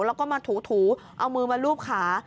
แล้วก็มาถูเอามือมาลูบขา